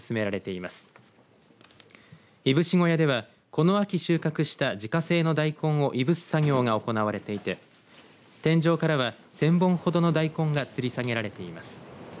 いぶし小屋では、この秋収穫した自家製の大根をいぶす作業が行われていて天井からは１０００本ほどの大根がつり下げられています。